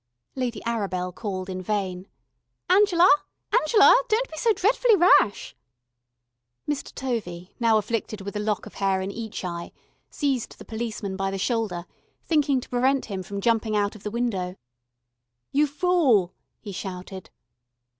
Lady Arabel called in vain: "Angela, Angela, don't be so dretfully rash." Mr. Tovey, now afflicted with a lock of hair in each eye, seized the policeman by the shoulder thinking to prevent him from jumping out of the window. "You fool," he shouted.